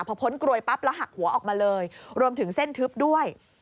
พอพ้นกลวยปั๊บแล้วหักหัวออกมาเลยรวมถึงเส้นทึบด้วย